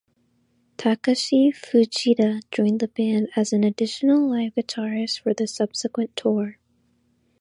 Takashi Fujita joined the band as an additional live guitarist for the subsequent tour.